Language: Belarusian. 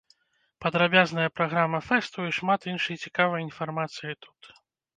Падрабязная праграма фэсту і шмат іншай цікавай інфармацыі тут.